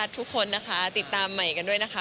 ทุกคนนะคะติดตามใหม่กันด้วยนะคะ